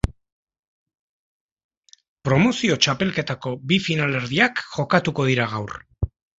Promozio txapelketako bi finalerdiak jokatuko dira gaur.